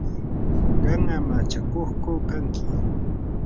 ¿qam amachakuqku kanki?